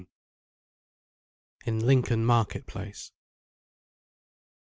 IN LINCOLN MARKETPLACE.